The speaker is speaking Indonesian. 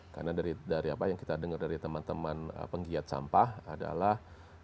karena dari apa yang kita dengar dari teman teman penggiat sampah adalah